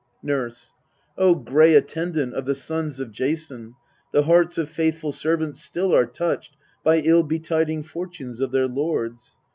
Nurse. O gray attendant of the sons of Jason, The hearts of faithful servants still are touched By ill betiding fortunes of their lords.